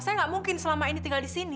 saya gak mungkin selama ini tinggal disini